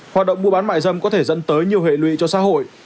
hoạt động mua bán mại dâm có thể dẫn tới nhiều hệ lụy cho xã hội